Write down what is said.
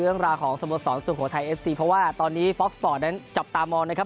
เรื่องราวของสโมสรสุโขทัยเอฟซีเพราะว่าตอนนี้ฟอกสปอร์ตนั้นจับตามองนะครับ